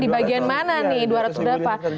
di bagian mana nih dua ratus defa